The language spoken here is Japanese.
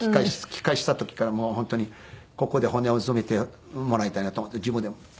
帰化した時から本当にここで骨を埋めてもらいたいなと思って自分でも。